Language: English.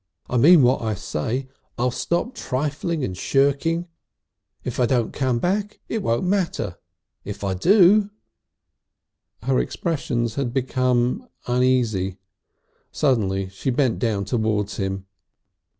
I mean what I say I'll stop trifling and shirking. If I don't come back it won't matter. If I do " Her expression had become uneasy. Suddenly she bent down towards him.